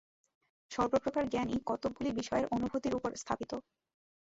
সর্বপ্রকার জ্ঞানই কতকগুলি বিষয়ের অনুভূতির উপর স্থাপিত।